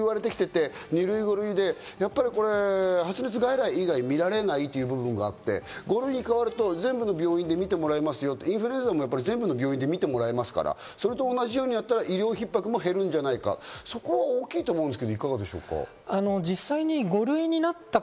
ここってずっと言われてきていて、２類、５類で発熱外来以外は診られないという部分があって、５類に変わると全部の病院で診てもらいますよと、インフルエンザも全部の病院で診てもらえますから、それと同じようになったら医療ひっ迫も減るんじゃないかと言われていますが、そこは大きいんじゃないですか？